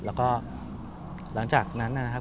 แล้วก็หลังจากนั้นนะครับ